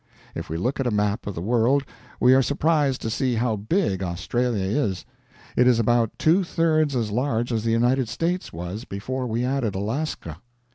If we look at a map of the world we are surprised to see how big Australia is. It is about two thirds as large as the United States was before we added Alaska.